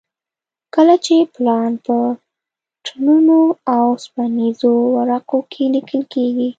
کله چې پلان په ټنونو اوسپنیزو ورقو کې لیکل کېږي.